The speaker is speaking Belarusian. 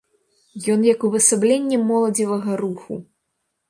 Ён як увасабленне моладзевага руху.